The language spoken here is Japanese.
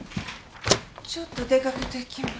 ちょっと出かけてきます。